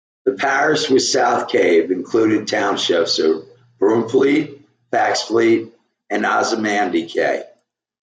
The parish, with South Cave, included the townships of Broomfleet, Faxfleet, and Osmandyke.